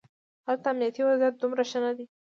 هلته امنیتي وضعیت دومره ښه نه دی.